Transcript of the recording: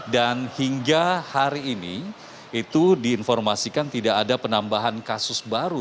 dan hingga hari ini itu diinformasikan tidak ada penambahan kasus baru